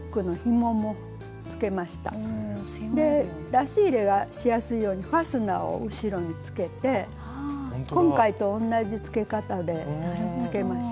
出し入れがしやすいようにファスナーを後ろにつけて今回と同じつけ方でつけました。